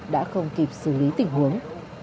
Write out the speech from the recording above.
đã không kịp xử lý tình huống